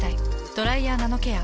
「ドライヤーナノケア」。